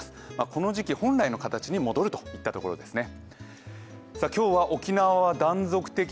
この時期本来の形に戻るといったところですね。